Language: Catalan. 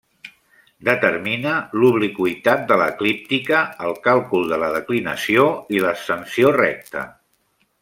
Determina l'obliqüitat de l'eclíptica, el càlcul de la declinació i l'ascensió recta.